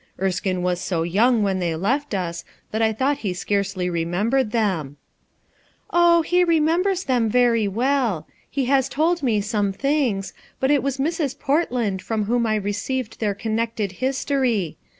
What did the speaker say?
"Erskine was so young when they left us that I thought he scarcely remembered them/' f 0h, he remembers them very well He has told me some things; but it was Mrs. Portland from whom I received their connected history.